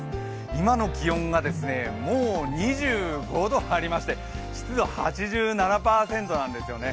今の気温がもう２５度ありまして湿度８７％なんですよね。